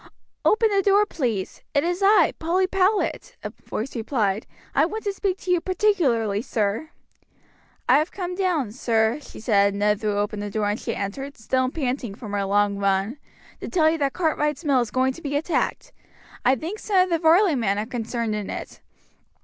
"Open the door, please. It is I, Polly Powlett," a voice replied. "I want to speak to you particularly, sir. "I have come down, sir," she said as Ned threw open the door and she entered, still panting from her long run, "to tell you that Cartwright's mill is going to be attacked. I think some of the Varley men are concerned in it.